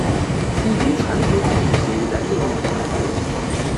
基于传输控制协议的应用层协议。